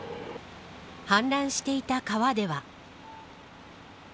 氾濫していた川では。